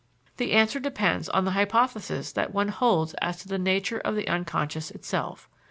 The answer depends on the hypothesis that one holds as to the nature of the unconscious itself.